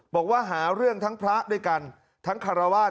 บอกว่าหาเรื่องทั้งพระด้วยกันทั้งคารวาส